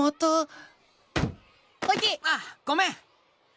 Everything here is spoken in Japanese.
ああごめん。